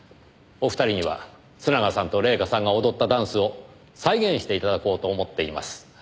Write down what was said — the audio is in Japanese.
お二人には須永さんと礼夏さんが踊ったダンスを再現して頂こうと思っています。